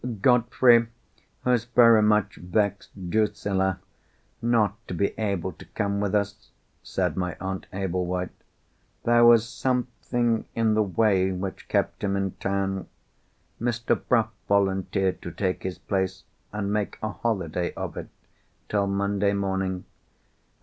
"Godfrey was very much vexed, Drusilla, not to be able to come with us," said my Aunt Ablewhite. "There was something in the way which kept him in town. Mr. Bruff volunteered to take his place, and make a holiday of it till Monday morning.